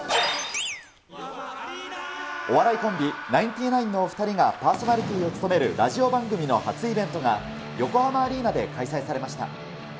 お笑いコンビ、ナインティナインのお２人がパーソナリティーを務めるラジオ番組の初イベントが、横浜アリーナで開催されました。